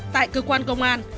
tại cơ quan công an